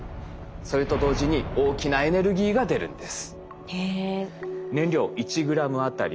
それと同時に大きなエネルギーが出るんです。